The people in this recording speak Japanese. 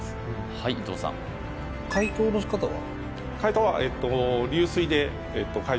はい伊藤さん解凍の仕方は？